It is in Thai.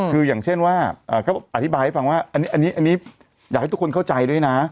คืออย่างเช่นว่าก็อธิบายให้ฟังว่าอันนี้อยากให้ทุกคนเข้าใจด้วยนะ